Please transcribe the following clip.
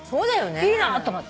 いいな！と思って。